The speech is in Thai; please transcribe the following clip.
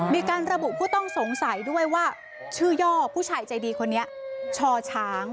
มีการระบุผู้ต้องสงสัยด้วยว่าชื่อย่อผู้ชายใจดีคนนี้ช่อช้าง